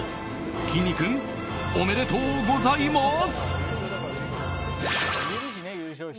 きんに君おめでとうございます！